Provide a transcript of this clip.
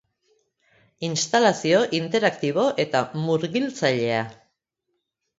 Instalazio interaktibo eta murgiltzailea.